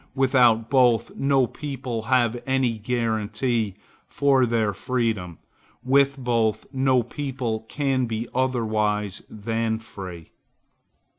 Without both, no people have any guaranty for their freedom; with both, no people can be otherwise than free.